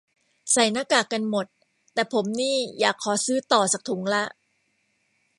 ใส่หน้ากากกันหมด แต่ผมนี่อยากขอซื้อต่อสักถุงละ